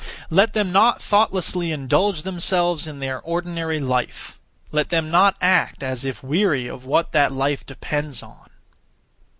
Let them not thoughtlessly indulge themselves in their ordinary life; let them not act as if weary of what that life depends on.